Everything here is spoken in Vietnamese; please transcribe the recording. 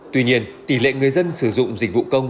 tuy nhiên tỷ lệ người dân sử dụng dịch vụ công